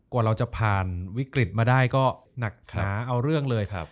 กว่าเราจะผ่านวิกฤตมาได้ก็หนักหนาเอาเรื่องเลยครับ